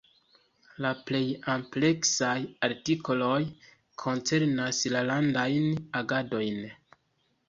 La plej ampleksaj artikoloj koncernas landajn agadojn.